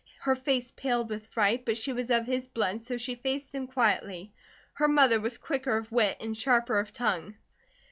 Her face paled with fright, but she was of his blood, so she faced him quietly. Her mother was quicker of wit, and sharper of tongue.